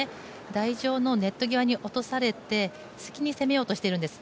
台上のネット際に落とされて、先に攻めようとしているんです。